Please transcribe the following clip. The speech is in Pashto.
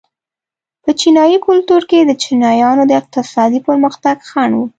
په چینايي کلتور کې د چینایانو د اقتصادي پرمختګ خنډ و.